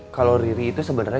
kalo riri itu sebenernya